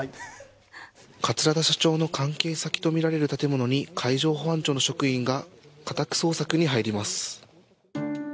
桂田社長の関係先とみられる建物に海上保安庁の職員が家宅捜索に入ります。